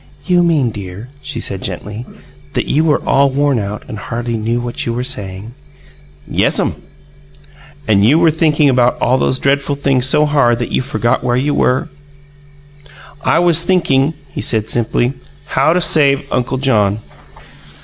"You mean, dear," she said gently, "that you were all worn out and hardly knew what you were saying?" "Yes'm." "And you were thinking about all those dreadful things so hard that you forgot where you were?" "I was thinking," he said simply, "how to save Uncle John."